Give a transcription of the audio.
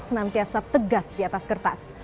senantiasa tegas di atas kertas